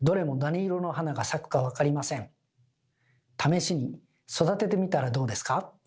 試しに育ててみたらどうですか？